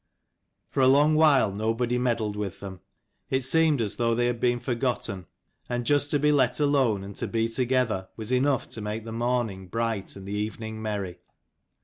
For a long while nobody meddled with them. It seemed as though they had been forgotten. And just to be let alone, and to be together, was enough to make the morning bright and the evening merry.